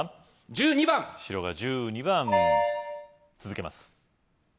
１２番白が１２番続けます